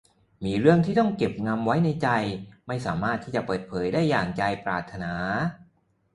มีเรื่องที่ต้องเก็บงำไว้ในใจไม่สามารถจะเปิดเผยได้อย่างใจปรารถนา